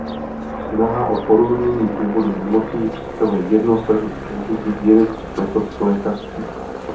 Snaha o porozumění původu nemocí představuje jedno z prvních využití vědeckých metod v lékařství.